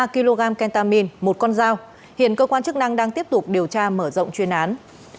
ba kg kentamin một con dao hiện cơ quan chức năng đang tiếp tục điều tra mở rộng chuyên án